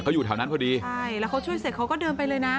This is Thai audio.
เขาอยู่แถวนั้นพอดีใช่แล้วเขาช่วยเสร็จเขาก็เดินไปเลยนะ